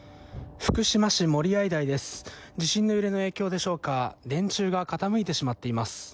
地震の揺れの影響でしょうか、電柱が傾いてしまっています。